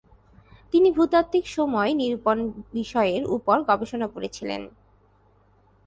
তিনি ভূতাত্ত্বিক সময় নিরূপণ বিষয়ের উপর গবেষণা করেছিলেন।